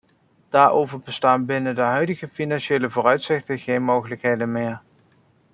Daarvoor bestaan binnen de huidige financiële vooruitzichten geen mogelijkheden meer.